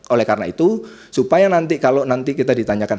oleh karena itu supaya nanti kalau nanti kita ditanyakan